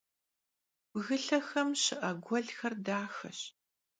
Bgılhexem şı'e guelxer daxeş.